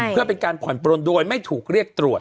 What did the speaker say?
เพื่อเป็นการผ่อนปลนโดยไม่ถูกเรียกตรวจ